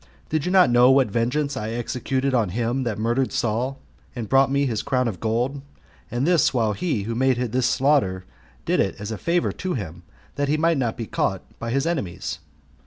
Did not you know what vengeance I executed on him that murdered Saul, and brought me his crown of gold, and this while he who made this slaughter did it as a favor to him, that he might not be caught by his enemies?